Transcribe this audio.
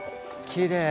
きれい。